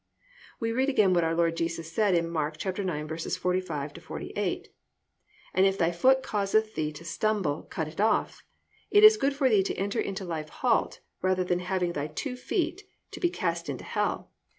"+ We read again what our Lord Jesus said in Mark 9:45 48, +"and if thy foot causeth thee to stumble, cut it off; it is good for thee to enter into life halt, rather than having thy two feet to be cast into hell.